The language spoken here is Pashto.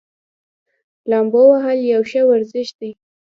لامبو وهل یو ښه ورزش دی.